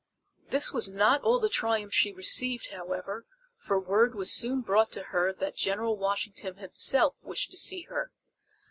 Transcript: This was not all the triumph she received, however, for word was soon brought to her that General Washington himself wished to see her.